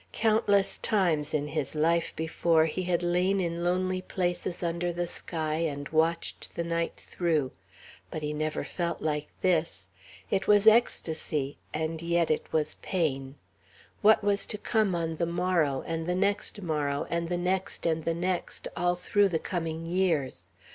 Countless times in his life before he had lain in lonely places under the sky and watched the night through, but he never felt like this. It was ecstasy, and yet it was pain. What was to come on the morrow, and the next morrow, and the next, and the next, all through the coming years?